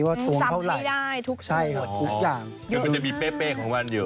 ว่าทุกคนจำไม่ได้ทุก